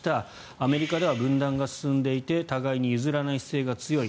アメリカでは分断が進んでいて互いに譲らない姿勢が強い